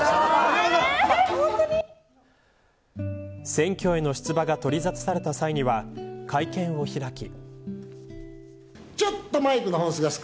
選挙への出馬が取りざたされた際には会見を開き。